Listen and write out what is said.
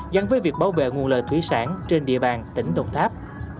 gắn với việc bảo vệ nguồn lợi thủy sản trên địa bàn tỉnh đồng tháp